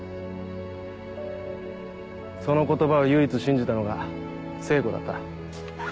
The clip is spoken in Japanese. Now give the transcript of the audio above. その言葉を唯一信じたのが聖子だった。